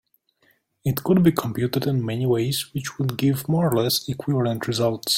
It could be computed in many ways which would give more or less equivalent results.